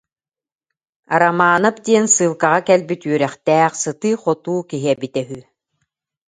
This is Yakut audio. Арамаанап диэн сыылкаҕа кэлбит үөрэхтээх, сытыы-хотуу киһи эбитэ үһү